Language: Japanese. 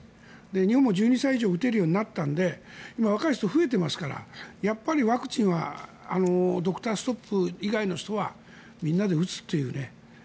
日本も１２歳以上打てるようになったので今、若い人増えていますからやっぱりワクチンはドクターストップ以外の人はみんなで打つというね。